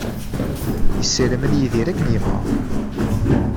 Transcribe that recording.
Yessaram ad yidir akken yebɣa.